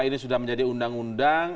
ini sudah menjadi undang undang